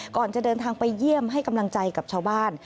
ก่อนจะเดินทางไปเยี่ยมให้กำลังใจกับชาวบ้าน